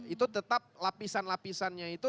itu tetap lapisan lapisannya itu